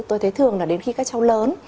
tôi thấy thường là đến khi các cháu lớn